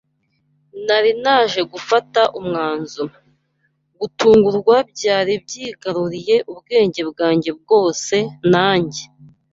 Nari naje gufata umwanzuro, gutungurwa byari byigaruriye ubwenge bwanjye bwose nanjye